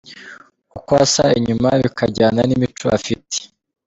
Uko asa inyuma bikajyana n’imico afite.